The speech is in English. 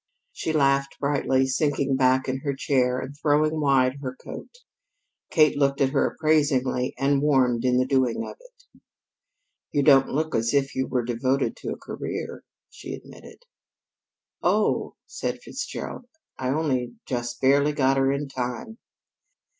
She laughed brightly, sinking back in her chair and throwing wide her coat. Kate looked at her appraisingly, and warmed in the doing of it. "You don't look as if you were devoted to a career, she admitted. "Oh," sighed Fitzgerald, "I only just barely got her in time!"